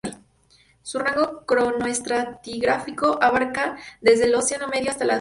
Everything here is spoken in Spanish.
Su rango cronoestratigráfico abarca desde el Eoceno medio hasta la Actualidad.